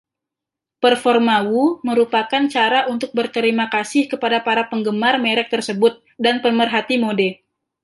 Performa Wu merupakan cara untuk berterima kasih kepada para penggemar merek tersebut dan pemerhati mode.